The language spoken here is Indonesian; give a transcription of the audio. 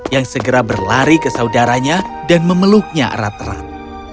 yang segera berlari ke saudaranya dan memeluknya erat erat